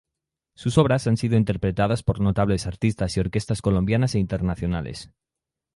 Sus obras han sido interpretadas por notables artistas y orquestas colombianas e internacionales.